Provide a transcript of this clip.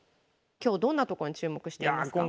今日どんなとこに注目していますか？